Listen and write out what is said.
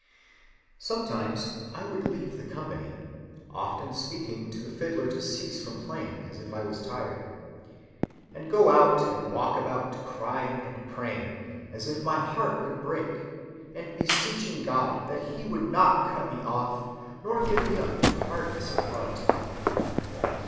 "Sometimes I would leave the company (often speaking to the fiddler to cease from playing, as if I was tired), and go out and walk about crying and praying, as if my very heart would break, and beseeching God that he would not cut me off, nor give me up to hardness of heart.